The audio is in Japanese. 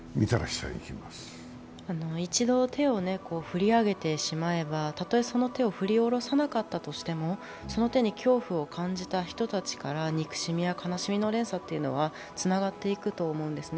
一度手を振り上げてしまえば、たとえその手を振り下ろさなかったとしてもその手に恐怖を感じた人たちから憎しみや悲しみの連鎖というのはつながっていくと思うんですね。